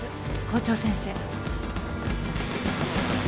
校長先生。